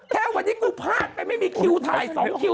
แค่วันนี้กูพลาดไปไม่มีคิวถ่าย๒คิว